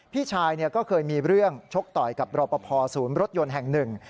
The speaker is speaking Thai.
พี่ชายก็เคยมีเรื่องชกต่อยกับรอปภศูนย์รถยนต์แห่งหนึ่ง